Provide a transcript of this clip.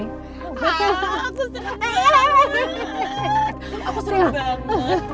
aku seru banget